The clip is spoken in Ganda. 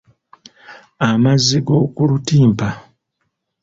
Amazzi g’oku lutimpa.